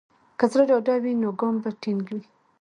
که زړه ډاډه وي، نو ګام به ټینګ وي.